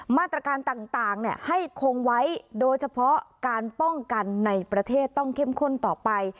มาตรการต่างให้คงไว้โดยเฉพาะการป้องกันในประเทศต้องเข้มข้นต่อไป